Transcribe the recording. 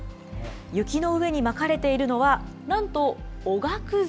雪の上にまかれているのは、なんとおがくず。